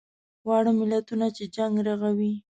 واړه ملتونه چې جنګ رغوي.